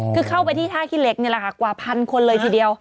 คือเข้าไปที่ท่าขี้เหล็กนี่แหละค่ะกว่าพันคนเลยทีเดียว